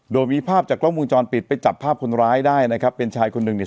โดยมีภาพจากกล้องวงจรปิดไปจับภาพคนร้ายได้นะครับเป็นชายคนหนึ่งเนี่ย